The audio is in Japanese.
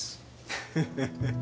フフフフ。